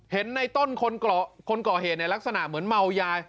เห็นในต้นคนก่อเหตุในลักษณะเหมือนเมายา